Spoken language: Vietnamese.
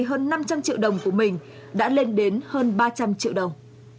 hơn năm trăm linh triệu đồng của mình đã lên đến hơn ba trăm linh triệu đồng